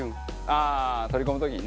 ああ取り込む時にね。